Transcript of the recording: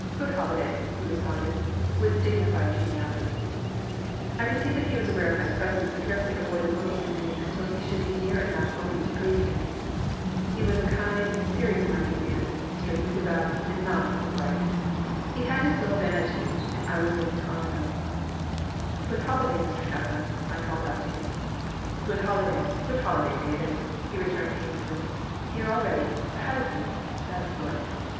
Good holiday!" he responded, with dignified geniality I could see that he was aware of my presence but carefully avoided looking at me until he should be near enough for me to greet him. He was a kindly, serious minded man, sincerely devout, and not over bright. He had his little vanities and I was willing to humor them "Good holiday, Mr. Kaplan!" I called out to him "Good holiday! Good holiday, David!" he returned, amiably. "Here already? Ahead of me? That's good!